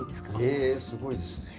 えすごいですね。